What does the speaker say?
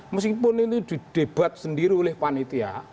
meskipun ini didebat sendiri oleh panitia